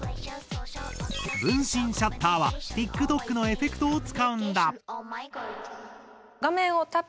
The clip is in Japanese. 「分身シャッター」はＴｉｋＴｏｋのエフェクトを使うんだ。